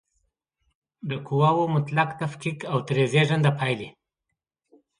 د قواوو مطلق تفکیک او ترې زېږنده پایلې